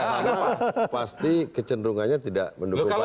pertama pasti kecenderungannya tidak mendukung pak jokowi